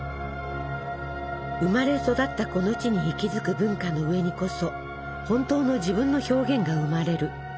生まれ育ったこの地に息づく文化の上にこそ本当の自分の表現が生まれる。